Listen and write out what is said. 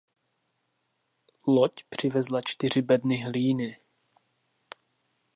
Loď přivezla čtyři bedny hlíny.